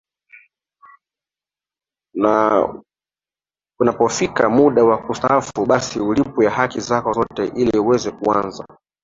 na unapofika muda wa kustaafu basi ulipwe haki zako zote ili uweze kuanza